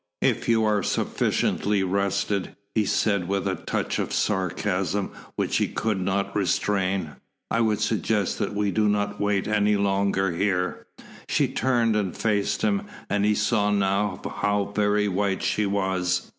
"If you are sufficiently rested," he said with a touch of sarcasm which he could not restrain, "I would suggest that we do not wait any longer here." She turned and faced him, and he saw now how very white she was.